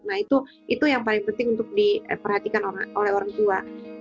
nah itu yang paling penting untuk diperhatikan oleh orang tua